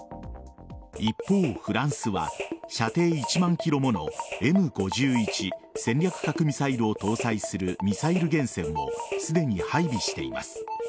一方、フランスは射程１万ｋｍものＭ５１戦略核ミサイルを搭載するミサイル原潜をすでに配備しています。